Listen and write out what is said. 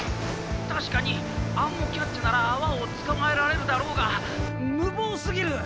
「確かにアンモキャッチなら泡を捕まえられるだろうが無謀すぎる！」。